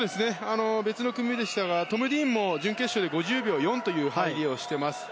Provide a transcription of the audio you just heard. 別の組でしたがトム・ディーンも準決勝で５０秒４という入りをしています。